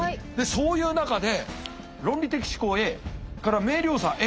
そういう中で論理的思考Ａ明瞭さＡ